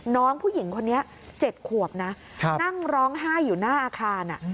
น้องผู้หญิงคนนี้๗ขวบนะนั่งร้องไห้อยู่หน้าอาคาร